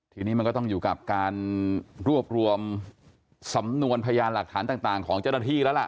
ทีนี้มันก็ต้องอยู่กับการรวบรวมสำนวนพยานหลักฐานต่างของเจ้าหน้าที่แล้วล่ะ